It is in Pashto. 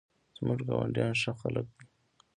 زموږ ګاونډیان ښه خلک دي